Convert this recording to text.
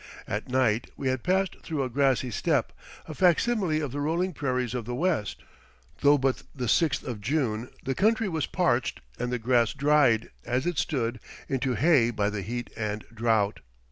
At night we had passed through a grassy steppe, a facsimile of the rolling prairies of the West. Though but the 6th of June, the country was parched, and the grass dried, as it stood, into hay by the heat and drought.